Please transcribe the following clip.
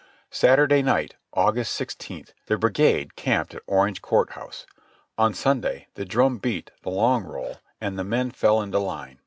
Saturday night, August sixteenth, the brigade camped at Orange Court House. On Sunday the drum beat the long roll and the men fell into line.